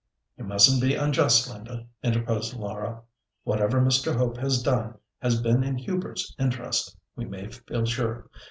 "You mustn't be unjust, Linda," interposed Laura. "Whatever Mr. Hope has done has been in Hubert's interest, we may feel sure.